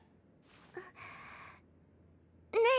んっねえ。